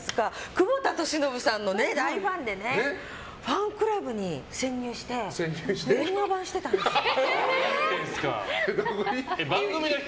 久保田利伸さんの大ファンでファンクラブに潜入して電話番してたんですよ。